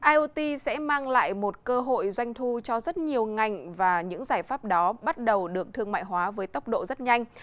iot sẽ mang lại một cơ hội doanh thu cho rất nhiều ngành và những giải pháp đó bắt đầu được thương mại hóa với tốc độ rất nhanh